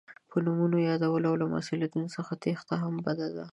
په نومونو یادول او له مسؤلیت څخه تېښته هم بده ده.